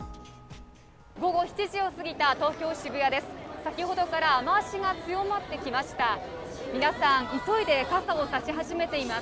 午後７時を過ぎた東京・渋谷です。